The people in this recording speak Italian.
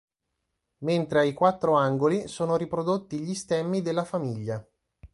Mentre ai quattro angoli sono riprodotti gli stemmi della famiglia.